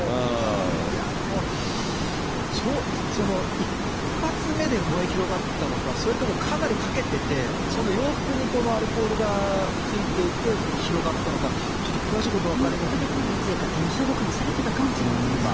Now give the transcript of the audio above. いやでも、１発目で燃え広がったのか、それともかなりかけてて、その洋服にアルコールがついていて広がったのか、ちょっと詳しいみんなこれだけの人数だから、手の消毒もされてたかもしれませんしね。